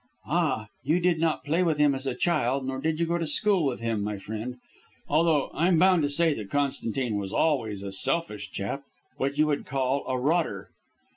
"Ah, you did not play with him as a child, nor did you go to school with him, my friend. Although I'm bound to say that Constantine was always a selfish chap what you would call a rotter."